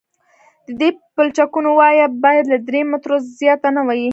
د دې پلچکونو وایه باید له درې مترو زیاته نه وي